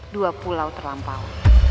dua pulau terlampau